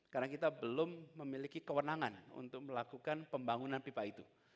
karena kita belum memiliki kewenangan untuk melakukan pembangunan pipa itu